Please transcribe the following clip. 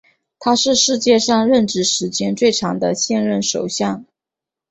他是世界上任职时间最长的现任首相。